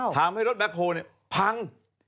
ทามให้รถแป๊กโภเนี่ยพัง